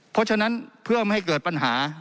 เพราะฉะนั้นเพื่อไม่ให้เกิดปัญหา